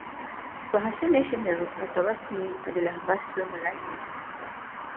Bahasa nasional atau rasmi adalah Bahasa Melayu.